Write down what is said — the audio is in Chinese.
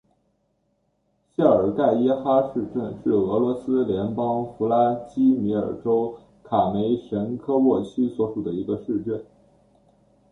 谢尔盖伊哈市镇是俄罗斯联邦弗拉基米尔州卡梅什科沃区所属的一个市镇。